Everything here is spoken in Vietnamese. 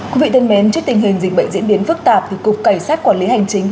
quý vị thân mến trước tình hình dịch bệnh diễn biến phức tạp thì cục cảnh sát quản lý hành chính